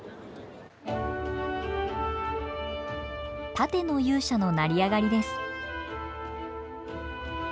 「盾の勇者の成り上がり」です。